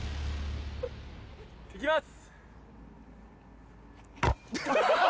いきます！